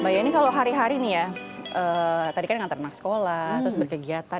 mbak yeni kalau hari hari nih ya tadi kan ngantar anak sekolah terus berkegiatan